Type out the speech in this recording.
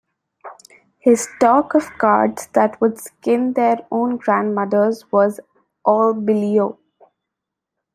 His talk of guards that would skin their own grandmothers was all billy-o.